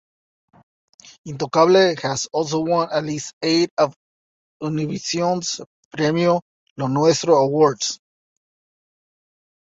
Intocable has also won at least eight of Univision's Premio Lo Nuestro awards.